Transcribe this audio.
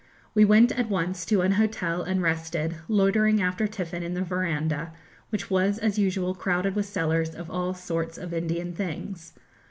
We went at once to an hotel and rested; loitering after tiffin in the verandah, which was as usual crowded with sellers of all sorts of Indian things.